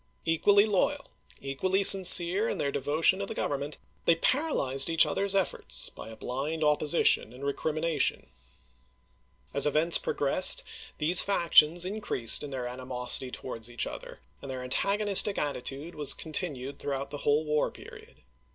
Equally loyal, equally sincere in their devotion to the Government, they paralyzed each other's efforts by a blind opposition and recrimination. As events progressed these factions increased in their FREMONT 405 animosity towards each other and their antagonistic ch. xxiii. attitude was continued throughout the whole war period.